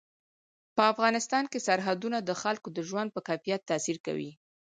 په افغانستان کې سرحدونه د خلکو د ژوند په کیفیت تاثیر کوي.